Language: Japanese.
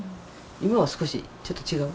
今は少しちょっと違う？